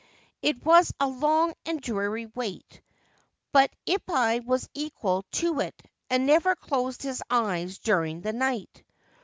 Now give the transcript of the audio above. It was a long and dreary wait ; but Ippai was equal to it and never closed his eyes during the night.